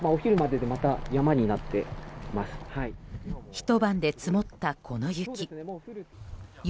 ひと晩で積もった、この雪。